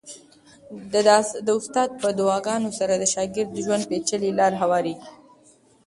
د استاد په دعاګانو سره د شاګرد د ژوند پېچلې لارې هوارېږي.